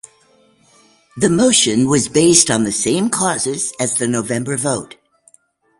The motion was based on the same causes as the November vote.